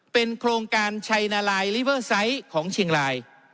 เป็นโครงการชัยนารายของเชียงราย